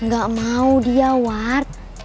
gak mau dia ward